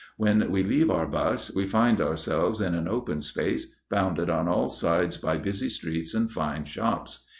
When we leave our bus, we find ourselves in an open space bounded on all sides by busy streets and fine shops.